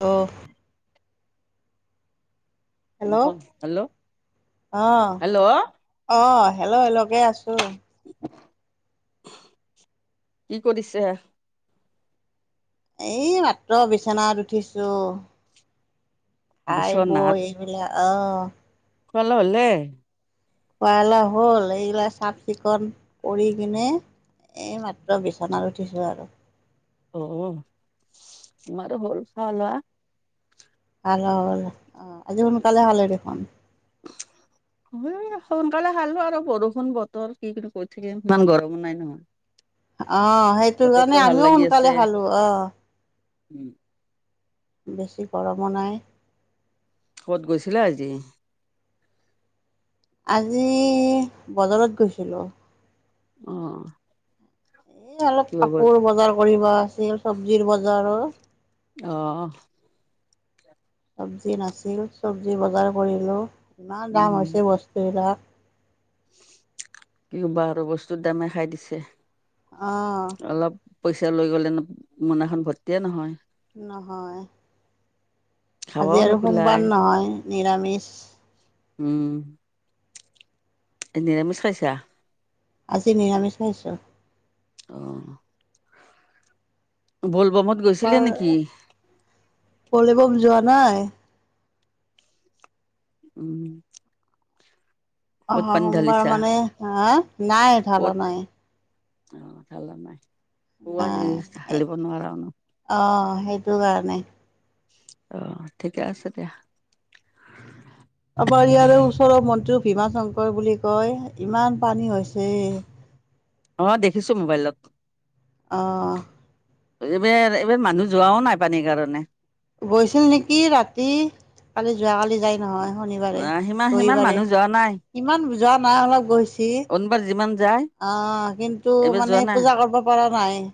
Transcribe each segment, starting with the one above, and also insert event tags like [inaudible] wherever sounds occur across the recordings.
অ hello নক hello অ hello অ হেল্ল' হেল্ল' কে আছো। কি কৰিছে? এই মাত্ৰ বিচনাত উঠিছোঁ। খাই বিচনাত বয় এই [unintelligible] অ [unintelligible] খোৱা লোৱা হ'ল। এইবিলাক চাফ চিকুণ কৰি কিনে এই মাত্ৰ বিচনাত উঠিছোঁ আৰু। অ। তোমাৰো হ'ল খোৱা লোৱা? ভাল হ'ল। অ আজি সোনকালে হ'লহে দেখোন [inaudible] উম সোনকালে খালো আৰু বৰষুণ বতৰ কিনো কৰি কৰি থাকিম ইমান গৰমো নাই ন? অ সেইটো কাৰণে ভাল আমিও লাগি আছে সোনকালে খালো। অ উম বেছি গৰমো নাই। ক'ৰবাত গৈছিলে আজি? আজি বজাৰত গৈছিলো। অ এ অলপ কিবা ব কাপোৰ বজাৰ কৰিব আছিল। চব্জিৰ বজাৰো অ চব্জি নাছিল চব্জি বজাৰ কৰিলো। ইমান দাম উম হৈছে বস্তুবিলাক। কি কবা আৰু বস্তুৰ দামে খাই দিছে। অ অলপ পইচা লৈ গ'লে মোনাখন ভৰ্তিয়ে নহয়। নহয় খাবাও আজি আৰু নোকোলাই সোমবাৰ নহয় নিৰামিষ। উম। এ নিৰামিষ খাইছা? আজি নিৰামিষ খাইছোঁ। অ [unintelligible] গৈছিলে সোমবাৰ। নেকি বলে বম যোৱা নাই? উম ক'ত অহ পানী সোমবাৰ ঢালিছা মানে, হে নাই ক'ত ঢালা নাই? নাই [unintelligible] অ সেইটো কাৰণে। অ ঠিকে আছে দিয়া। আমাৰ ইয়াৰে ওচৰৰ মন্দিৰ ভীমা শংকৰ বুলি কয় ইমান পানী হৈছে অ দেখিছো মোবাইলত অঁ এইবেৰ এইবাৰ মানুহ যোৱাও নাই পানীৰ কাৰণে গৈছিল নেকি ৰাতি কালি যোৱাকালি যাই নহয় শনিবাৰে অ' সিমান সিমান ৰবিবাৰে মানুহ যোৱা নাই ইমান যোৱা নাই অলপ গৈছে কি অনবাৰ যিমান যায় অ কিন্তু এইবাৰ মানে পূজা কৰিব পৰা নাই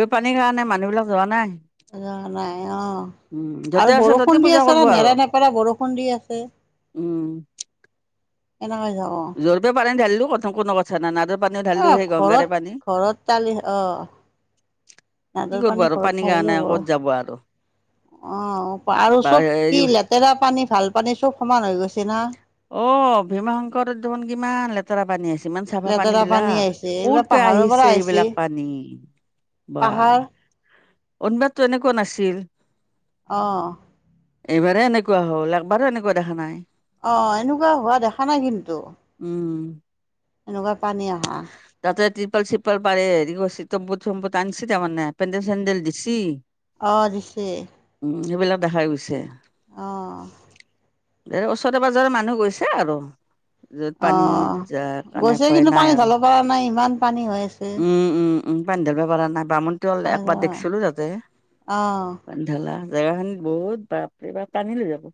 আৰু পানীৰ কাৰণে মানুহবিলাক যৱা নাই যোৱা নাই অ উম য'তে আৰু আছে ত'তে বৰষুণ দি পূজা আছে কৰিব ন আৰু নেৰা নেপেৰা বৰষুণ দি আছে উম এনেকে যাব জ্বৰপে পানী ধালিলো পথম কোন দকত ছানা নাদৰ পানীও অ ঢালিলো সেই ঘৰত গংগাৰে পানী ঘৰত তালি অ নাদৰ কি কৰব পানী আৰু ঘৰত পানীৰ ঢালি কাৰণে ল'ব ক'ত যাব আৰু অ আৰু বা চব হেৰি কি লেতেৰা পানী ভাল পানী চব সমান হৈ গৈছে না অ ভীমা শংকৰ ধন কিমান লে তেৰা পানী আইছে ইমান চাফা পানী লেতেৰা বিলাক আহিছে ক'ৰ এইবিলাক পৰা পাহাৰৰ আহিছে এইবিলাক পানী বাহ পাহাৰ অনবাতটো এনেকুৱা নাছিল অঁ এইবাৰে এনেকুৱা হ'ল একবাৰো এনেকুৱা দেখা নাই অ এনেকুৱা হোৱা দেখা নাই কিন্তু উম এনেকুৱা পানী অহা তাতে টিৰপাল চিলপাল পাৰে হেৰি কৰি তম্বুট চম্বুট আনিছে তাৰমানে পেণ্ডেল চেডেল দিছি অঁ দিছে উম সেইবিলাক দেখাই গৈছে অঁ এ ওচৰে পাজৰে মানুহ গৈছে আৰু যত অ পানী যা কাৰণে গৈছে ভয় কিন্তু পানী নাই আৰু ঢালিব পৰা নাই ইমান পানী হয়ছ উম উম উম পানী ধৰিবা পৰা নাই বামুণটো অল অ একবাৰ দেখছিলো তাতে ঢালা জেগা খিনিত বহুত বাপৰে বাপ টানী লৈ যাব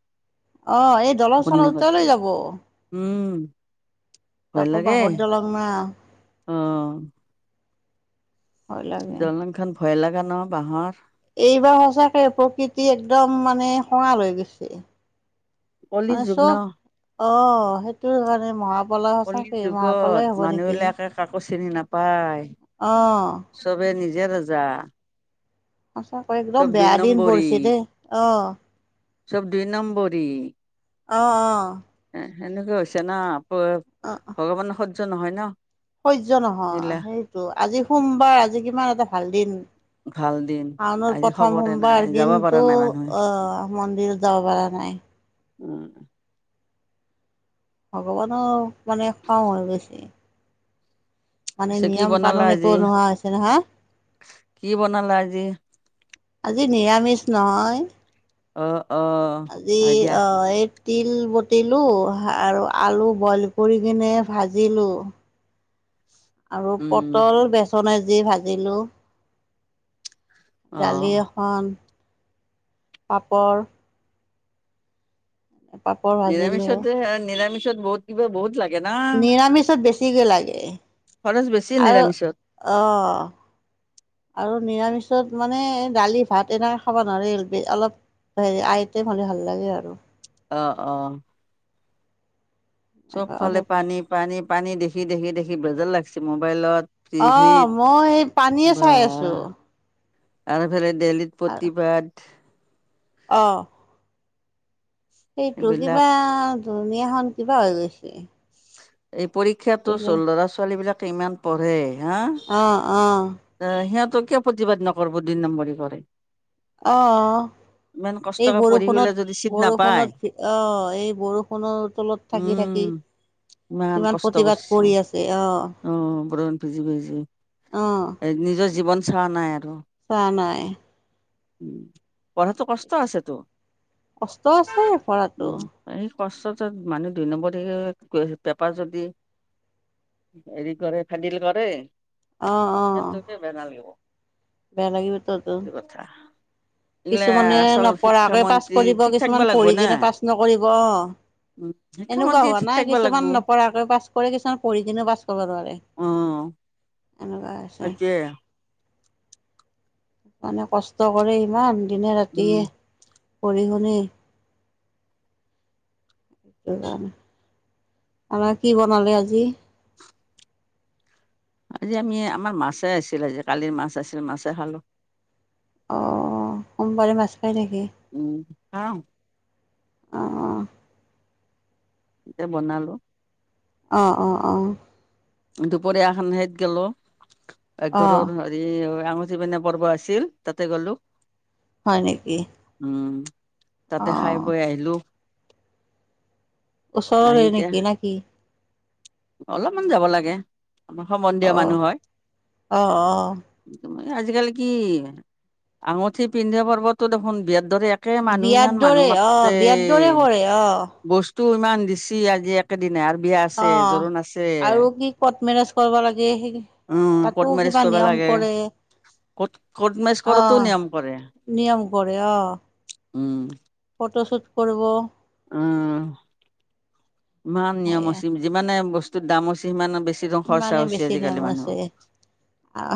অ এই দলং চলং পত্নীকত ওটায় লৈ গ'ল যাব উম ভয় তাকো লাগে বাঁহৰ দলং না অ ভয় লাগে দলং খন ভয় লগা ন বাঁহৰ এইবাৰ সঁচাকে প্ৰকৃতি একদম মানে খঙাল হৈ গৈছে কলি মানে যুগ ন চব অ সেইটোৰ কাৰণে মহা কলি যুগত মানুহ বিলাকে কাকো চিনি নাপায় অ চবে নিজে ৰজা সঁচাকৈ একদম চব দুই বেয়া দিন নম্বৰী পৰিছে দেই অ চব দুই নম্বৰি অঁ অঁ এ এনেকা হৈছে না আপ অ অ ভগৱানৰ সহ্য নহয় ন হয্য নহয় এইগিলা সেইটো, আজি সোমবাৰ আজি কিমান এটা ভাল দিন। ভাল দিন শাওনৰ আজি প্ৰথম খবৰে নাই সোমবাৰ, যাব পৰা কিন্তু নাই মানুহে অহ মন্দিৰ যাব পৰা নাই। উম' ভগৱানক মানে খং হৈ গৈছে। মানে পিছে কি নিয়ম বনালা কানুন আজি একো নোহোৱা হৈছে নহয়। কি বনালা আজি আজি নিৰামিষ অ অ নহয় আজি হয় দিয়া অ এই- তিল বতিলোঁ আৰু আলু বইল কৰি কিনে ভাজিলোঁ। আৰু উম পটল বেচনেদি ভাজিলোঁ। অ দালি এখন পাপৰ। পাপৰ- ভাজিলো নিৰামিষতে হে নিৰামিষত বহুত কিবা বহুত লাগে। না নিৰামিষত বেছিকে লাগে খৰচ বেছি আৰু নিৰামিষত অহ। আৰু নিৰামিষত মানে দালি ভাত এনেকে খাব নোৱৰি অলপ- হেৰি আইতেম হলে ভাল ভাল লাগে আৰু। অঁ অঁ' চবফালে অলপ পানী পানী পানী দেখি দেখি দেখি বেজাৰ লাগিছে মোবাইলত। অঁ' টিভিত মই সেই পানীয়ে বা চাই আছোঁ। আৰু ইফালে দেল্লীত প্ৰতিবাদ। অ' সেইটো এইবিলাক কিবা দুনীয়াখন কিবা হৈ গৈছে। এই পৰীক্ষাতো ভাবিলে চ ল'ৰা ছোৱালী বিলাকে ইমান পঢ়ে হাঁ। অঁ অঁ' এ সিহঁতক কিয় প্ৰতিবাদ নকৰৰিব দুই নম্বৰি কৰে। অঁ' ইমান এই কষ্টকে পঢ়ি পেলাই বৰষুণত যদি চিট নাপায় বৰষুণত অঁ এই বৰষুণৰ তলত- থাকি থাকি- উম ইমান কিমান কষ্ট প্ৰতিবাদ কৰি কৰিছে আছে অ' অঁ বৰণ ভিজি ভিজি- অঁ' এ নিজৰ জীৱন চোৱা নাই আৰু। চোৱা নাই। উম' পঢ়াটো কষ্ট আছেতো কষ্ট আছে পঢ়াটো উম'। এই কষ্টটোত মানুহ দুই নম্বৰি হয় পেপাৰ যদি- এৰি কৰে ফেনডিল কৰে। অঁ অঁ' তে তু কে বেয়া নালগিব। বেয়া লাগিব ত ত। আহ' কিছুমানে নপঢ়াকে পাছ কৰিব ঠিক থাকিব কিছুমান লাগিব পঢ়ি না। কিনে পাছ নকৰিব। উম। এনকুৱা শিক্ষামন্ত্ৰী হোৱা ঠিক নাই থাকিব লাগিব। কিছুমান নপঢ়ৰাকে পাছ কৰে কিছুমান পঢ়ি কিনেও পাছ কৰিব নোৱাৰে। অঁ' এনকাই। এইটোৱে। মানে কষ্ট কৰে ইমান দিনে উম, ৰাতিয়ে। পঢি শুনি, সেটো কাৰণে। কলা কি বনালে আজি। আজি আমি আমাৰ মাছে আছিল আজি কালিৰ মাছ আছিল মাছে খালোঁ। অ সোমবাৰে মাছ খায় নেকি। উম‌ খাওঁ। অ অ এ বনালো। অ অ অ দুপৰীয়াখনান সত গলো অ একঘৰৰ [inaudible] হেৰি আঙুঠি পিন্ধোৱা পৰ্ব আছিল তাতে গলো। হয় নেকি। উম অ তাতে খায় বৈ আহিলোঁ। ওচৰৰ আহি হয় এতিয়া নেকি না কি। অলপমান যাব লাগে আমাৰ সম্বন্ধীয় অ মানুহ হয়। অ অ আজিকালি কি আঙুঠি পিন্ধোৱা পৰ্বতটো দেখোন বিয়াত দৰে একে মানুহ বিয়াৰ ইমান মানুহ দৰে অ মাতে। বিয়াৰ দৰে কৰে অ বস্তুও ইমান দিছি আজি একেদিনাই আৰু বিয়া অ আছে, জোৰোণ আছে। আৰু কি কৰ্ট মেৰেজ হৈ গ'ল আজি উম কৰ্ট তাতো মেৰেজ কিবা কৰিব নিয়ম লাগে কৰে। কৰ্ট কৰ্ট মেৰেজ কৰোতো নিয়ম কৰে অহ নিয়ম কৰে অহ। উম ফটোশোট কৰিব। উম। ইমান নিয়ম সেয়া হৈছে যিমানে বস্তুত দাম হৈছে সিমান বেছি ধৰ খৰচা সিমানে হৈছে বেছি নিয়ম আজিকালি মানুহৰ। আছে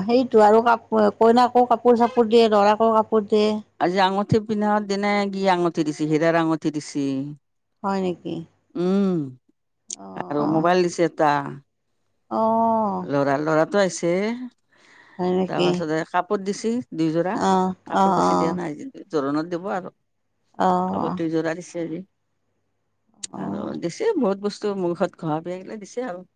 সেইটো আৰু কাপোৰ কইনাকো কাপোৰ চাপোৰ দিয়ে দৰাকো কাপোৰ দিয়ে। আজি আঙঠি পিন্ধা দিনাই কি আঙঠি দিছে সিৰা আঙঠি দিছে। হয় নেকি। উম অ আৰু অ মোবাইল দিছে এটা। অ লৰা ল'ৰাটো আহিছে হয় নেকি তাৰপাছতে কাপোৰ দিছিল। দুইযোৰা অ অ অ কাপোৰ বেছি দিয়া নাই আজি। জোৰোণত দিব আৰু, অ অ কাপোৰ দুই জোৰা দিছে আজি। আৰু দিছে বহুত বস্তু মূখত ঘহা বিলাক দিছে আৰু।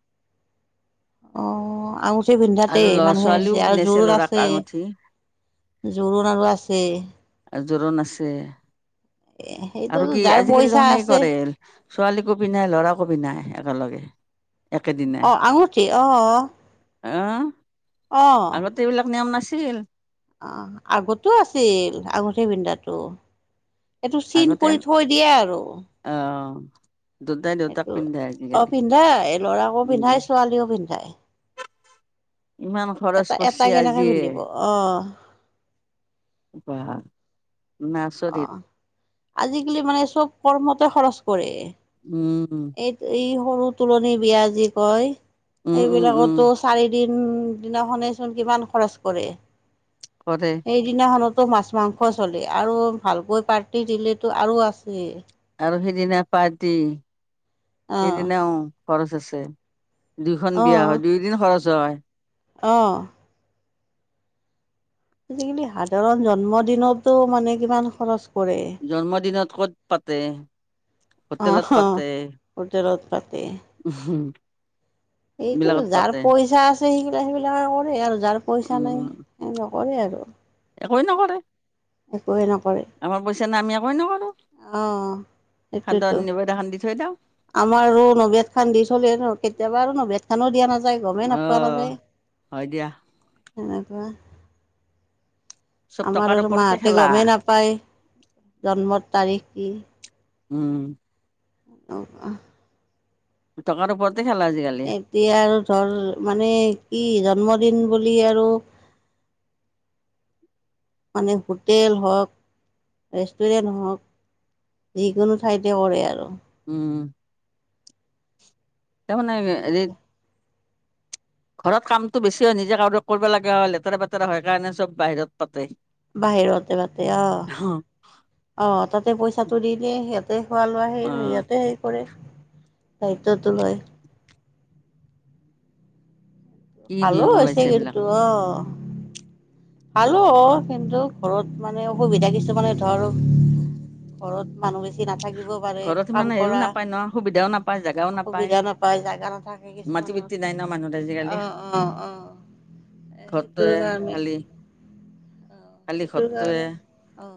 অ আৰু আঙুঠি পিন্ধাতে আৰু ল'ৰা ইমানখিনি ছোৱালীও দিছে আৰু পিন্ধাইছে জোৰণ ল'ৰাক আছে, আঙুঠি জোৰণ আৰু আছে। আৰু জোৰোণ আছে সেইটো আৰু কি যাৰ আজিকালি পইচা দেখোন সেই আছে কৰে। ছোৱালীকো পিন্ধাই ল'ৰাকো পিন্ধাই একেলগে একেদিনে। অ আঙুঠি অহ। অ অ সেইবিলাক নিয়ম নাছিল। অ আগতেও আছিল আঙুঠি পিন্ধোৱাটো। এইটো চিন কৰি থৈ দিয়ে আৰু। অ দুটাই দুয়োটাক এইটো পিন্ধাই অ আজিকালি পিন্ধাই ল'ৰাকো উম। পিন্ধাই ছোৱালীও পিন্ধায়। ইমান খৰচ এটা কৰছে কেনেকে আজিয়ে। পিন্ধিব অ বা। অ আজিকালি মানে চব কৰ্মতে খৰচ কৰে। উম উম। এই এই সৰু তুলনি বিয়া যি কয় উম উম উম এইবিলাকতো চাৰি দিন উম দিনাখনে চোন কিমান খৰচ কৰে। কৰে। সেইদিনাখনতো মাছ-মাংস চলে আৰু ভালকৈ পাৰ্টি দিলেটো আৰু আছে আৰু সিদিনা পাৰ্টি অ সেইদিনাও খৰচ আছে। দুইখন বিয়া অ হয় দুয়দিন খৰচ হয়। অ। আজিকালি সাধাৰণ জন্ম দিনতো মানে কিমান খৰচ কৰে। জন্মদিনত ক'ত পাতে? হোটেলত অহ, পাতে হোটেলত পাতে। উম হুম এইটো যাৰ পইচা আছে সেইবিলাক সেইবিলাকে কৰে আৰু যাৰ পইচা নাই নকৰে আৰু। একোৱ নকৰে, একোৱে নকৰে আমাৰ পইচা নাই আমি একোৱেই নকৰো। অ'। [unintelligible] সানদি থৈ দাওঁ। আমাৰ আৰু নবেদ খান দি চলে ন কেতিয়াবা আৰু নবেদ খানো দিয়া নাযায় গমে নোাপোৱা আহ নাযায়। হয় দিয়া। সেনেকোৱা। চব আমাৰ টকাৰ আৰু ওপৰতে মাহঁতে খেলা গমেই নাপায় জন্মৰ তাৰিখ কি। উম। [unintelligible] টকাৰ ওপৰতে খেল আজিকালি এতিয়া আৰু ধৰ মানে কি জন্মদিন বুলি আৰু মানে হোটেল হওক, ৰেষ্টুৰেণ্ট হওক, যিকোনো ঠাইতে কৰে আৰু। উম তাৰমানে এৰিত ঘৰত কামতটো বেছি হয়, নিজে কাৰোবাক কৰিব লগা হয় লেতেৰা-পেতেৰা হয় কাৰণে চব বাহিৰত পাতে। বাহিৰতে পাতে অ, অ তাতে পইচাটো দিলে সিহ তাতে খোৱা-লোৱা সেই অ সিহঁতে হেই কৰে দায়িত্বটো লয়। কি ভালো নিয়ম হৈছে ওলাইছে এইবিলাক কিন্তু অ। ভালো অ কিন্তু ঘৰত মানে অসুবিধা কিছুমানে ধৰ ঘৰত মানুহ বেছি নাথাকিব পাৰে ঘৰত সিমান কাম হেৰিও কৰা, নাপায় ন সুবিধাও নাপায় জেগাও নাপায় অসুবিধা নাপ পায়, জাগা নাথাকে মাটি কিছুমানৰ বৃত্তি নাই ন মানুহৰ আজিকালি অ অ অ অ এ সেইটোৰ ঘৰটোৱে কাৰণে [inaudible] সেইটো কাৰণে অ।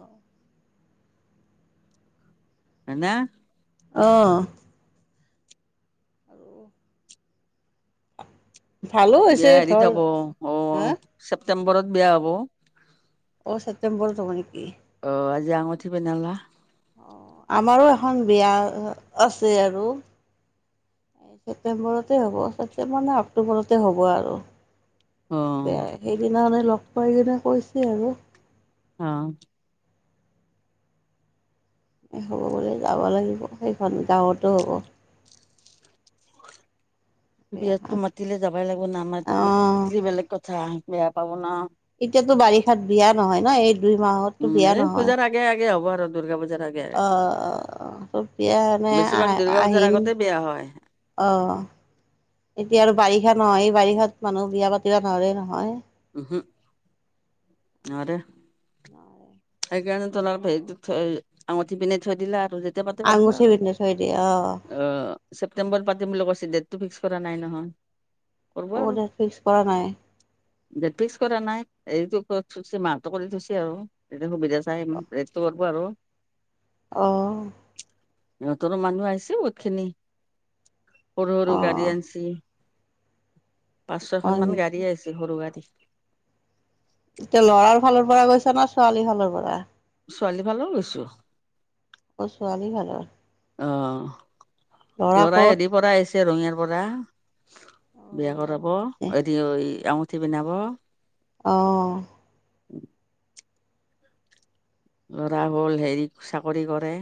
হয়না? অ। আৰু ভালো বিয়া হৈছে হেৰি ধৰ হ'ব অ হা ছেপ্তেম্বৰত বিয়া হ'ব। অ ছেপ্টেম্বৰত হ'ব নকি? অ আজি যে আঙঠি পিন্ধালা অ আমাৰো এখন বিয়া অ আছে আৰু। ছেপ্টেম্বৰতে হ'ব ছেপটেম্বৰ নে অক্টোবৰতে হ'ব আৰু। অ তে সেইদিনা মানে লগ পাই কিনে কৈছে আৰু। অ'। হ'ব বুলি যাব লাগিব সেইখন গাঁৱতো হ'ব। বিয়াতো বিয়াখন মাতিলে যাবই লাগিব অ নামাতিলে বেলেগ কথা বেয়া পাব ন। এতিয়াতো বাৰিষাত বিয়া নহয় ন এই দুই মাহত। উম, এই পূজাৰ আগে আগে হ'ব আৰু দুৰ্গা পূজা। অহ অহ বিয়া এনে বেছিভাগ দুৰ্গা পূজাৰ আহ-আহিন আগতে বেয়া হয় অ', এতিয়া আৰু বাৰিষা নহয় বাৰিষাত মানুহ বিয়া পাতিব নোৱাৰে নহয়। উহো। নোৱাৰে। নোৱাৰে। সেইকাৰণে তোমাৰ হেৰি থৈ আঙুঠি পিন্ধাই থৈ দিলে আৰু। যেতিয়া পাতে পাতিব আঙুঠি আৰু পিন্ধাই থৈ দিয়ে অ'। অ', ছেপ্টেম্বৰত পাতিম বুলি কৈছে ডেটটো ফিক্স কৰা নাই নহয়। কৰিব অ', আৰু ডেট ফিক্স কৰা নাই। ডেট ফিক্স কৰা নাই এইটো কৈ থৈছে মাহ কৰি থৈছে আৰু। এতিয়া সুবিধা চাই ডেতটো কৰিব আৰু। অ'। সিহঁতৰো মানুহ আহিছে বহুতখিনি সৰু সৰু গাড়ী অ', আনিছি। পাঁচ ছয়খন হয় মান গাড়ী নেকি আহিছে সৰু গাড়ী। এতিয়া ল'ৰাৰ ফালৰ পৰা গৈছা নে ছোৱালীৰ ফালৰ পৰা? ছোৱালী ফালৰো গৈছি। অ', ছোৱালী ফালৰ। আহ ল'ৰা ল'ৰাই ক'ত হেৰি পৰা আহিছে ৰঙিয়াৰ পৰা। অ', বিয়া ৰঙিয়াৰ কৰাব পৰা আহিছে এৰি ঐ আঙুঠি পিন্ধাব। অ'। ল'ৰা হ'ল হেৰি চাকৰি কৰে।